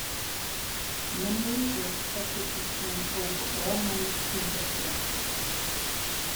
Members were expected to turn over all money to the collective.